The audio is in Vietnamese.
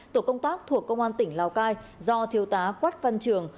tổ công tác thuộc công an tỉnh lào cai do thiếu tá quách văn trường